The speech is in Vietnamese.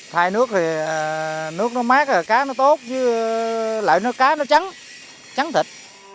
thay nước thì nước nó mát cá nó tốt chứ lại nuôi cá nó trắng trắng thịt